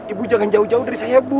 ibu jangan jauh jauh dari saya bu